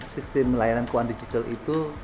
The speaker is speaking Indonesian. sistem layanan keuangan digital itu